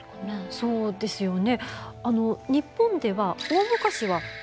そうですよね。